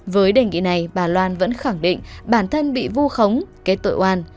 với đề nghị này bà loan vẫn khẳng định bản thân bị vu khống kết tội oan